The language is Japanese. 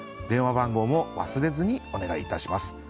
電話番号も忘れずにお願いいたします。